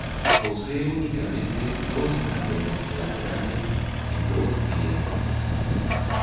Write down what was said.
Posee únicamente dos andenes laterales y dos vías.